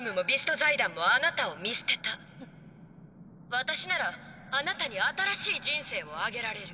私ならあなたに新しい人生をあげられる。